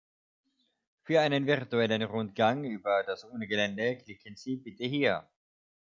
Für einen virtuellen Rundgang über das Unigelände klicken Sie bitte hier.